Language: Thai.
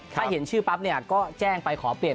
ถ้าเห็นชื่อปั๊บเนี่ยก็แจ้งไปขอเปลี่ยน